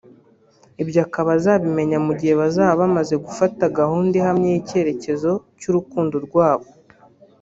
ibyo akaba azabimenya mu gihe bazaba bamaze gufata gahunda ihamye y’icyerecyezo cy’urukundo rwabo